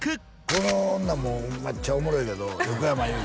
この女もめっちゃおもろいけど横山由依